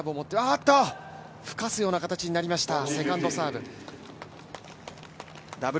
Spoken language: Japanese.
あっと、ふかすような形になりました、セカンドサーブ。